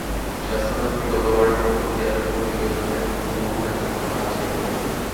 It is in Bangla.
স্বাস্থ্য খাত নিয়ে গতবারের মতো ক্যাবের প্রতিবেদনে হুবহু একই কথা আছে এবার।